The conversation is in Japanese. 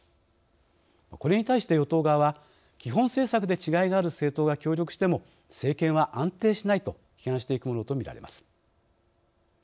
これに対して与党側は「基本政策で違いがある政党が協力しても政権は安定しない」と批判していくものと見られます。